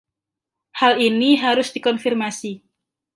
Hal ini harus dikonfirmasi.